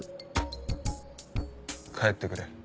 帰ってくれ。